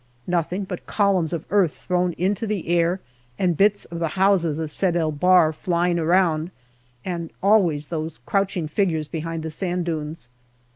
Nothing but columns of earth thrown into the air and bits of the houses of Sedul Bahr flying around, and always those crouching figures behind the sand dunes.